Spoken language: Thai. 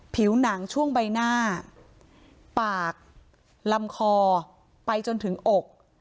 ผิวหนังช่วงใบหน้าปากลำคอไปจนถึงอก